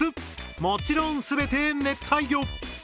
もちろん全て熱帯魚。